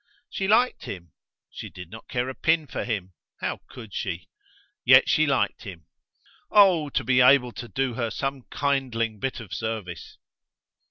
She liked him: she did not care a pin for him how could she? yet she liked him: O, to be able to do her some kindling bit of service!